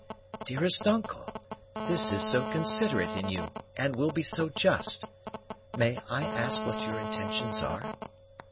"Dearest uncle! this is so considerate in you, and will be so just! May I ask what your intentions are?"